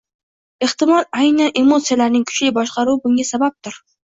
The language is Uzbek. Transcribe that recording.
Ehtimol, aynan emotsiyalarning kuchli boshqaruvi bunga sababdir.